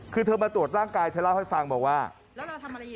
คือเธอมาตรวจร่างกายเธอเล่าให้ฟังบอกว่าแล้วเราทำอะไร